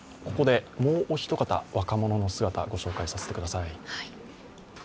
ここでもうおひと方、若者の姿、ご紹介させてください。